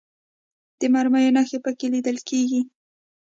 د مرمیو نښې په کې لیدل کېږي.